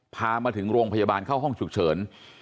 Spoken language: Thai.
พามาถึงโรงพยาบาลเข้าห้องฉุกเฉิน